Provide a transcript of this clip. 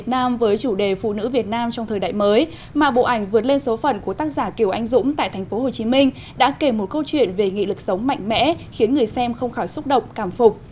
tác giả kiều anh dũng tại tp hcm đã kể một câu chuyện về nghị lực sống mạnh mẽ khiến người xem không khỏi xúc động cảm phục